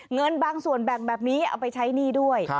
เงินบางส่วนแบ่งแบบนี้เอาไปใช้หนี้ด้วย